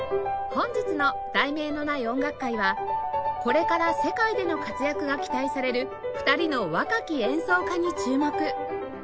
本日の『題名のない音楽会』はこれから世界での活躍が期待される２人の若き演奏家に注目